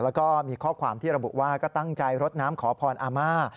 แล้วก็มีข้อความที่ระบุว่าก็ตั้งใจรดน้ำขอพรอาม่า